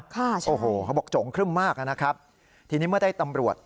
ค่ะใช่นะครับทีนี้เมื่อได้ตำรวจ